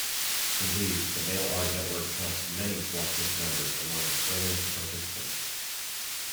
Indeed, the mail art network counts many Fluxus members among its earliest participants.